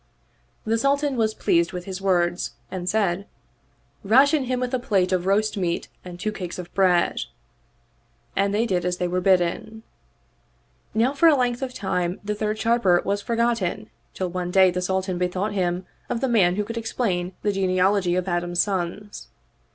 The Sultan was 31 Oriental Mystery Stories pleased with his words and said, " Ration him with a plate of roast meat and two cakes of bread "; and they did as they were bidden. Now for a length of time the third Sharper was forgotten till one day the Sultan bethought him of the man who could explain the genealogy of Adam's sons.